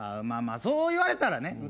まあそう言われたらね。